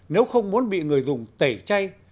nếu không muốn bị người dùng tẩy chay